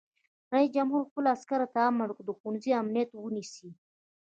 رئیس جمهور خپلو عسکرو ته امر وکړ؛ د ښوونځیو امنیت ونیسئ!